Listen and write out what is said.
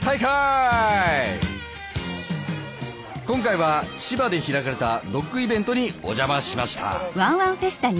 今回は千葉で開かれたドッグイベントにお邪魔しました。